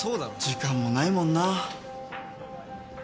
時間もないもんな。